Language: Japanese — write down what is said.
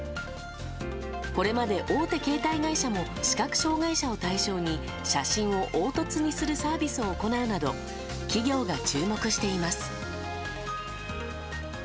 これまで、大手携帯会社も視覚障害者を対象に写真を凹凸にするサービスを行うなど企業が注目しています。